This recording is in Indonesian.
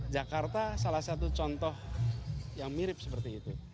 jakarta salah satu contoh yang mirip seperti itu